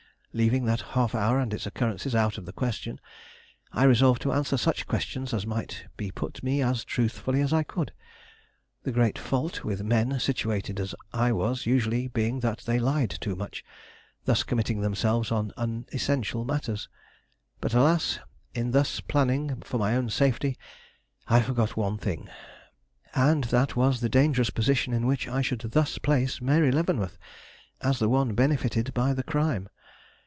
Leaving that half hour and its occurrences out of the question, I resolved to answer such questions as might be put me as truthfully as I could; the great fault with men situated as I was usually being that they lied too much, thus committing themselves on unessential matters. But alas, in thus planning for my own safety, I forgot one thing, and that was the dangerous position in which I should thus place Mary Leavenworth as the one benefited by the crime.